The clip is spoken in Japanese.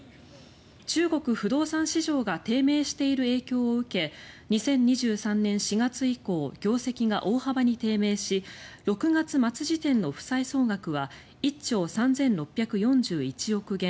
中国不動産市場が低迷している影響を受け２０２３年４月以降業績が大幅に低迷し６月末時点の負債総額は１兆３６４１億元